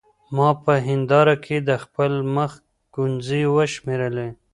ما په هېنداره کې د خپل مخ ګونځې وشمېرلې.